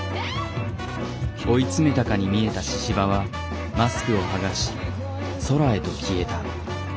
追い詰めたかに見えた神々はマスクを剥がし空へと消えた。